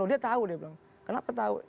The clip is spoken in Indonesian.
dia tahu dia bilang kenapa tahu